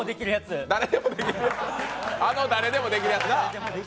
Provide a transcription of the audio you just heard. あの誰でもできるやつ。